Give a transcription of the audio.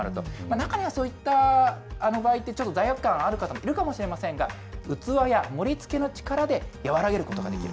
中にはそういった場合って、ちょっと罪悪感ある方いるかもしれませんが、器や盛りつけの力で和らげることができる。